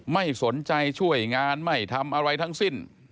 ไม่สนใจช่วยงานไม่ทำอะไรทั้งสิ้น